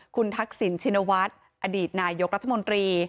คุณทักษิณชินวัฒน์อดีตนายกรัฐมนตรี